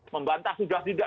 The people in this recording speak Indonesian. membantah sudah tidak